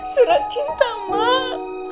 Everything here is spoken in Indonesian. surat cinta mak